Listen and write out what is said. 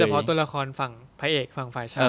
เพราะตัวละครฝั่งพระเอกฝั่งฝ่ายชาย